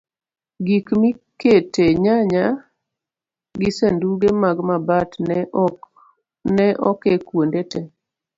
gik mikete nyanya gi sanduge mag mabat ne oke kwonde te